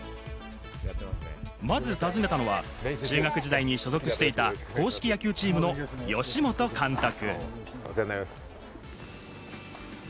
まず訪ねたのは中学時代に所属していた硬式野球チームの吉本監督。